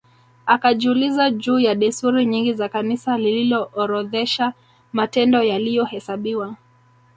Akajiuliza juu ya desturi nyingi za Kanisa lililoorodhesha matendo yaliyohesabiwa